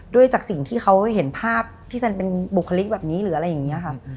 จากสิ่งที่เขาเห็นภาพที่แซนเป็นบุคลิกแบบนี้หรืออะไรอย่างนี้ค่ะ